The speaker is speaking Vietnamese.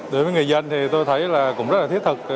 đối với người dân thì tôi thấy là cũng rất là thiết thực